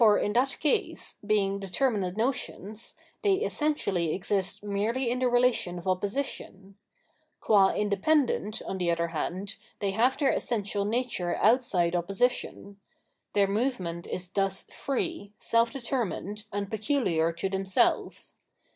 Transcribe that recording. For in that case, being determinate notions, they Essentially exist merely in the relation of opposi tion; independent, on the other hand, they have their essential nature outside opposition; their move ment is thus free, self determined, and peculiar to themselves.